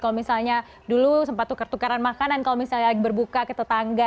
kalau misalnya dulu sempat tukar tukaran makanan kalau misalnya lagi berbuka ke tetangga